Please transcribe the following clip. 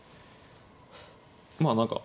まあ何か。